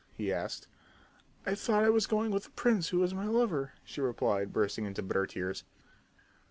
he asked. "I thought I was going with the prince who is my lover," she replied, bursting into bitter tears.